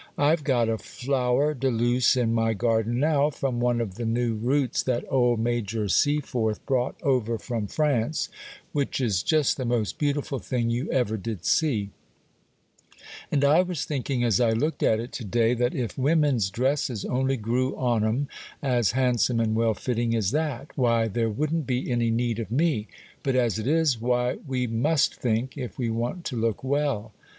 I've got a flower de luce in my garden now, from one of the new roots that old Major Seaforth brought over from France, which is just the most beautiful thing you ever did see; and I was thinking, as I looked at it to day, that if women's dresses only grew on 'em as handsome and well fitting as that, why, there wouldn't be any need of me; but as it is, why, we must think, if we want to look well.